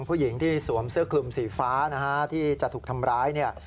ผู้หญิงที่สวมเสื้อคลุมสีฟ้านะฮะที่จะถูกทำร้ายเนี่ย